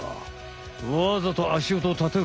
わざと足音を立てる。